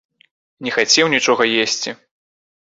Не хацеў нічога есці.